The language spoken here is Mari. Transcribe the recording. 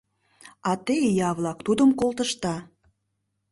А те, ия-влак, тудым колтышда!